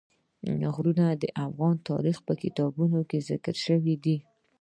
غرونه د افغان تاریخ په کتابونو کې ذکر شوی دي.